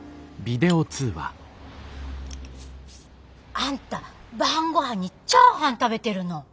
あんた晩ごはんにチャーハン食べてるの？